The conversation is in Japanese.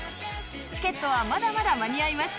チケットはまだまだ間に合います。